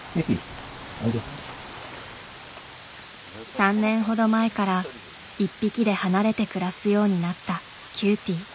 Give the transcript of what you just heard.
３年ほど前から一匹で離れて暮らすようになったキューティー。